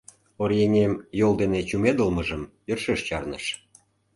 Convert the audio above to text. Оръеҥем йол дене чумедылмыжым йӧршеш чарныш.